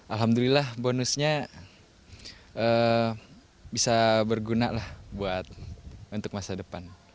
alhamdulillah bonusnya bisa berguna lah buat untuk masa depan